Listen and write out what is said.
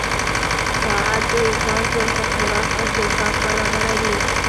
راعت د انسان ژوند ته خوراک او پوښاک برابروي.